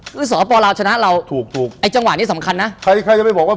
คือสอบปลาวชนะเราไอจังหวะนี้สำคัญนะไม่มันจุดนี้ถูกถูก